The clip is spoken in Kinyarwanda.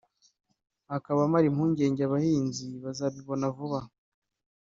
akaba amara impungenge abahinzi bazabibona vuba